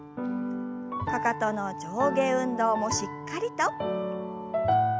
かかとの上下運動もしっかりと。